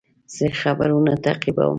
زه خبرونه تعقیبوم.